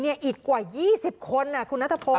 อีกกว่า๒๐คนคุณนัทพงศ